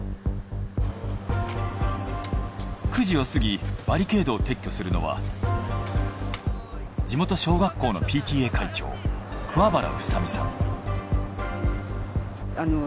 ９時を過ぎバリケードを撤去するのは地元小学校のＰＴＡ会長桑原ふさみさん。